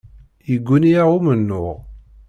Yegguni-aɣ umennuɣ.